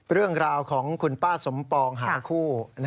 เรื่องราวของคุณป้าสมปองหางคู่